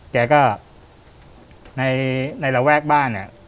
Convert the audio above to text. แกก็ในระแวกบ้านเนี่ย